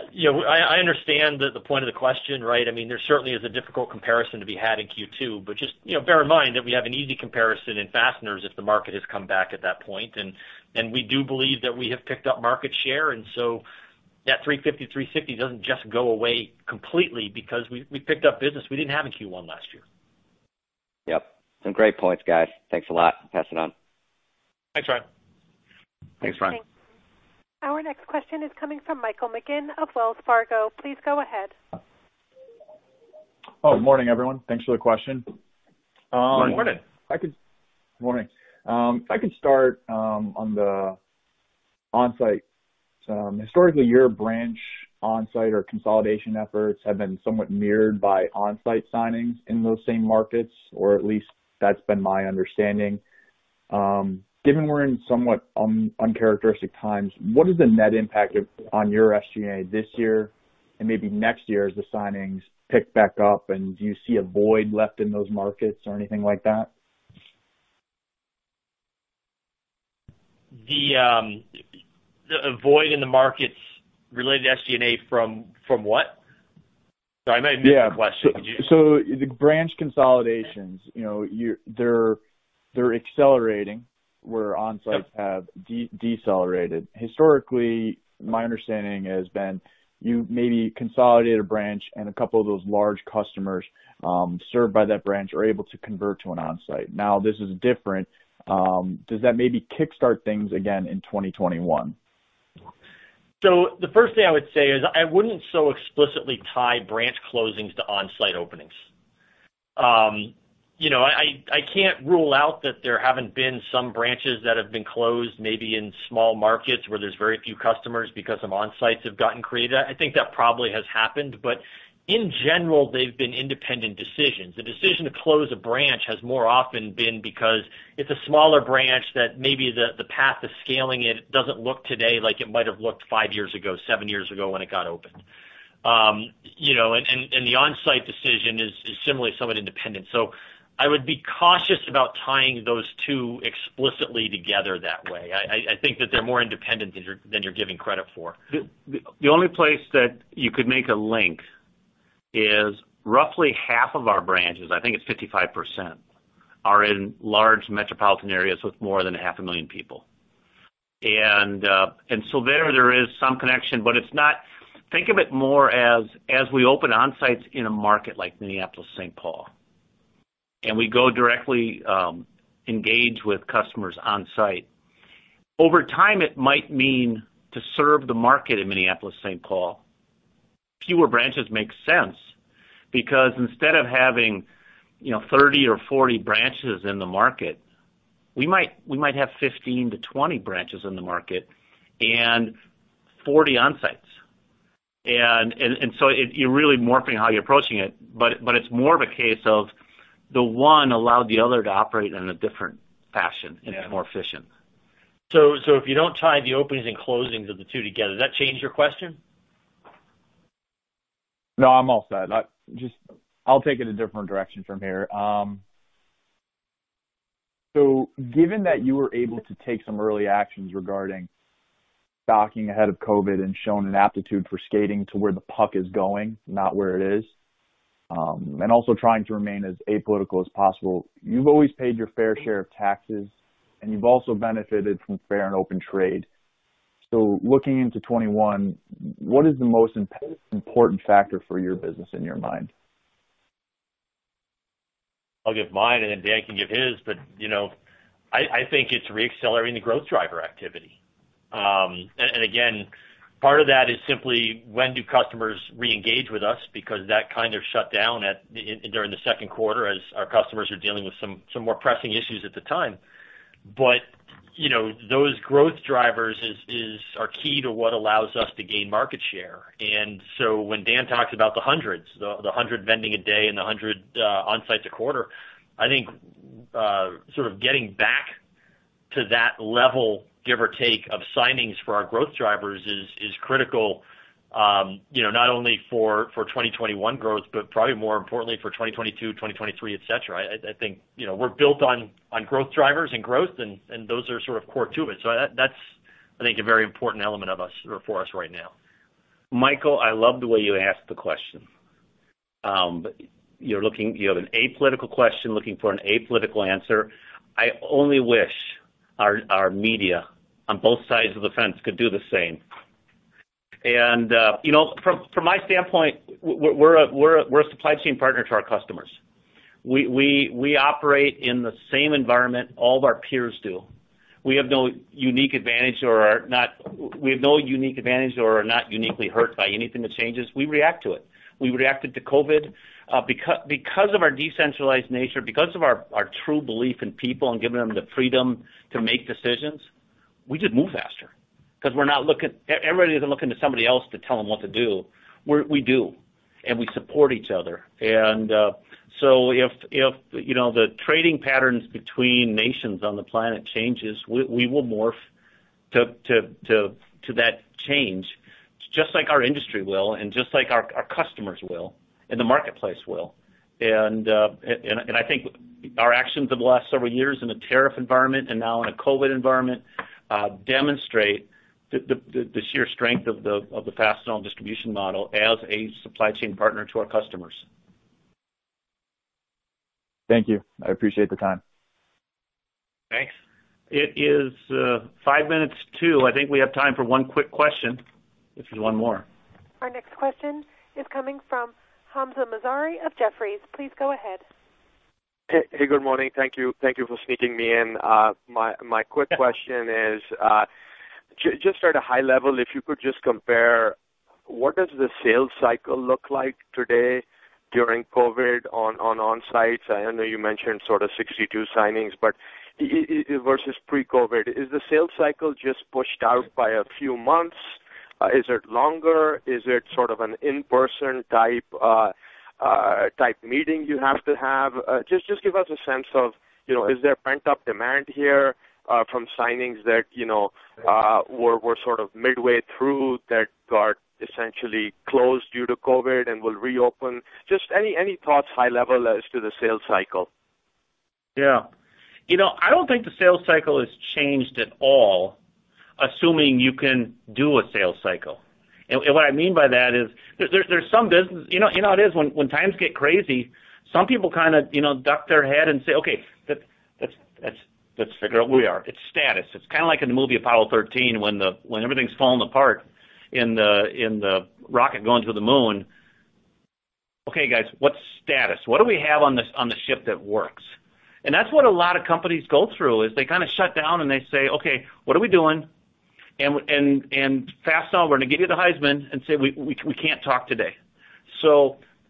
I understand the point of the question, right? There certainly is a difficult comparison to be had in Q2, but just bear in mind that we have an easy comparison in fasteners if the market has come back at that point. We do believe that we have picked up market share, that 350, 360 doesn't just go away completely because we picked up business we didn't have in Q1 last year. Yep. Some great points, guys. Thanks a lot. Pass it on. Thanks, Ryan. Thanks, Ryan. Our next question is coming from Michael McGinn of Wells Fargo. Please go ahead. Oh, morning, everyone. Thanks for the question. Good morning. Morning. If I could start on the onsite. Historically, your branch onsite or consolidation efforts have been somewhat mirrored by onsite signings in those same markets, or at least that's been my understanding. Given we're in somewhat uncharacteristic times, what is the net impact on your SG&A this year and maybe next year as the signings pick back up? Do you see a void left in those markets or anything like that? The void in the markets related to SG&A from what? Sorry, I might have missed the question. Yeah. The branch consolidations, they're accelerating where on-sites have decelerated. Historically, my understanding has been you maybe consolidate a branch, and a couple of those large customers served by that branch are able to convert to an on-site. Now, this is different. Does that maybe kickstart things again in 2021? The first thing I would say is I wouldn't so explicitly tie branch closings to on-site openings. I can't rule out that there haven't been some branches that have been closed, maybe in small markets where there's very few customers because some on-sites have gotten created. I think that probably has happened, but in general, they've been independent decisions. The decision to close a branch has more often been because it's a smaller branch that maybe the path to scaling it doesn't look today like it might have looked five years ago, seven years ago when it got opened. The on-site decision is similarly somewhat independent. I would be cautious about tying those two explicitly together that way. I think that they're more independent than you're giving credit for. The only place that you could make a link is roughly half of our branches, I think it's 55%, are in large metropolitan areas with more than half a million people. There is some connection, but think of it more as we open on-sites in a market like Minneapolis-St. Paul, and we go directly engage with customers on-site. Over time, it might mean to serve the market in Minneapolis-St. Paul, fewer branches make sense because instead of having 30 or 40 branches in the market, we might have 15 to 20 branches in the market and 40 on-sites. You're really morphing how you're approaching it. It's more of a case of the one allowed the other to operate in a different fashion and is more efficient. If you don't tie the openings and closings of the two together, does that change your question? No, I'm all set. I'll take it a different direction from here. Given that you were able to take some early actions regarding stocking ahead of COVID and shown an aptitude for skating to where the puck is going, not where it is, and also trying to remain as apolitical as possible. You've always paid your fair share of taxes, and you've also benefited from fair and open trade. Looking into 2021, what is the most important factor for your business in your mind? I'll give mine and then Dan can give his, but I think it's re-accelerating the growth driver activity. Again, part of that is simply when do customers reengage with us because that kind of shut down during the second quarter as our customers are dealing with some more pressing issues at the time. Those growth drivers are key to what allows us to gain market share. So when Dan talks about the hundreds, the 100 vending a day and the 100 on-sites a quarter, I think sort of getting back to that level, give or take, of signings for our growth drivers is critical. Not only for 2021 growth, but probably more importantly for 2022, 2023, et cetera. I think we're built on growth drivers and growth, and those are sort of core to it. That's, I think, a very important element of us or for us right now. Michael, I love the way you asked the question. You have an apolitical question looking for an apolitical answer. I only wish our media on both sides of the fence could do the same. From my standpoint, we're a supply chain partner to our customers. We operate in the same environment all of our peers do. We have no unique advantage or are not uniquely hurt by anything that changes. We react to it. We reacted to COVID. Because of our decentralized nature, because of our true belief in people and giving them the freedom to make decisions, we just move faster because everybody isn't looking to somebody else to tell them what to do. We do, and we support each other. If the trading patterns between nations on the planet changes, we will morph to that change, just like our industry will and just like our customers will and the marketplace will. I think our actions over the last several years in a tariff environment and now in a COVID environment demonstrate the sheer strength of the Fastenal distribution model as a supply chain partner to our customers. Thank you. I appreciate the time. Thanks. It is five minutes to. I think we have time for one quick question. Just one more. Our next question is coming from Hamzah Mazari of Jefferies. Please go ahead. Hey. Good morning. Thank you for sneaking me in. My quick question is just at a high level, if you could just compare what does the sales cycle look like today during COVID on on-sites? I know you mentioned sort of 62 signings, versus pre-COVID. Is the sales cycle just pushed out by a few months? Is it longer? Is it sort of an in-person type meeting you have to have? Just give us a sense of, is there pent-up demand here from signings that were sort of midway through that got essentially closed due to COVID and will reopen? Just any thoughts high level as to the sales cycle? Yeah. I don't think the sales cycle has changed at all, assuming you can do a sales cycle. What I mean by that is, you know how it is, when times get crazy, some people kind of duck their head and say, "Okay, let's figure out where we are." It's status. It's kind of like in the movie "Apollo 13" when everything's falling apart in the rocket going to the moon. Okay, guys, what's status? What do we have on the ship that works? That's what a lot of companies go through, is they kind of shut down and they say, "Okay, what are we doing?" Fastenal, we're going to give you the Heisman and say, "We can't talk today."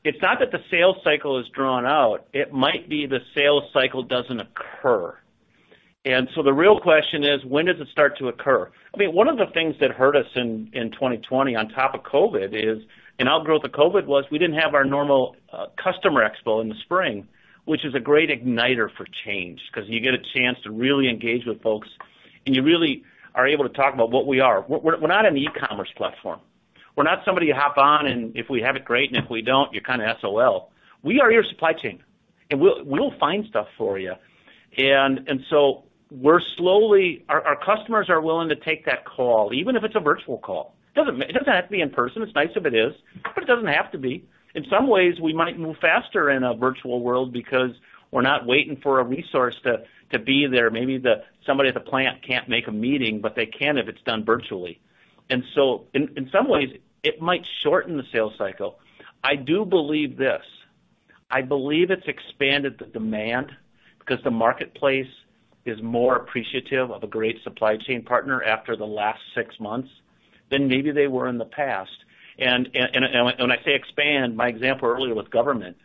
It's not that the sales cycle is drawn out. It might be the sales cycle doesn't occur. The real question is, when does it start to occur? One of the things that hurt us in 2020 on top of COVID is, and outgrowth of COVID was, we didn't have our normal customer expo in the spring, which is a great igniter for change because you get a chance to really engage with folks, and you really are able to talk about what we are. We're not an e-commerce platform. We're not somebody you hop on, and if we have it, great, and if we don't, you're kind of SOL. We are your supply chain, and we'll find stuff for you. Our customers are willing to take that call, even if it's a virtual call. It doesn't have to be in person. It's nice if it is, but it doesn't have to be. In some ways, we might move faster in a virtual world because we're not waiting for a resource to be there. Maybe somebody at the plant can't make a meeting, but they can if it's done virtually. In some ways, it might shorten the sales cycle. I do believe this. I believe it's expanded the demand because the marketplace is more appreciative of a great supply chain partner after the last six months than maybe they were in the past. When I say expand, my example earlier with government,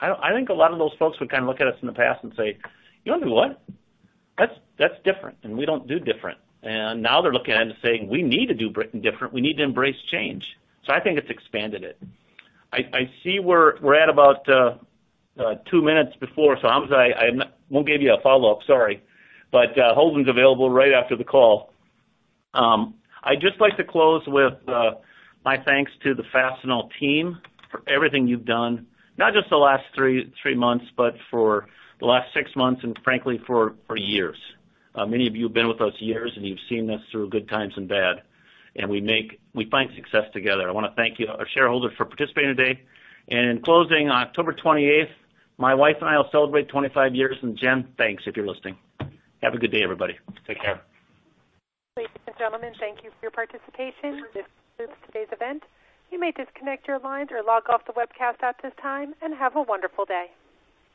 I think a lot of those folks would kind of look at us in the past and say, "You want to do what? That's different, and we don't do different." Now they're looking at it and saying, "We need to do different. We need to embrace change." I think it's expanded it. I see we're at about 2 minutes before, so I won't give you a follow-up, sorry. Holden's available right after the call. I'd just like to close with my thanks to the Fastenal team for everything you've done, not just the last 3 months, but for the last 6 months, and frankly, for years. Many of you have been with us years, and you've seen us through good times and bad. We find success together. I want to thank our shareholders for participating today. In closing, on October 28th, my wife and I will celebrate 25 years. Jen, thanks, if you're listening. Have a good day, everybody. Take care. Ladies and gentlemen, thank you for your participation. This concludes today's event. You may disconnect your lines or log off the webcast at this time, and have a wonderful day.